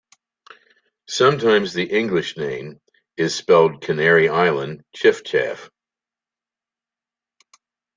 Sometimes the English name is spelled Canary Island chiffchaff.